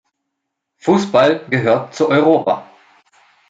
Fußball gehört zu Europa.